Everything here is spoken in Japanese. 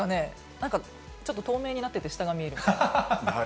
なんかちょっと透明になってて、下が見える。